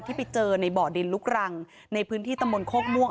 ที่ไปเจอในบ่อดินลุกรังในพื้นที่ตำบลโคกม่วง